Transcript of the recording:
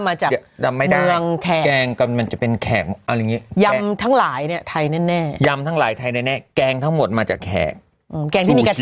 มันจะเป็นแขกยำทั้งหลายไทยแน่ยำทั้งหลายไทยแน่แกงทั้งหมดมาจากแขก